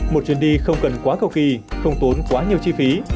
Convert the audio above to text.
một chuyến đi không cần quá cầu kỳ không tốn quá nhiều chi phí